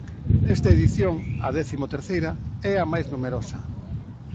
Esta edición, a décimo terceira, é a máis numerosa.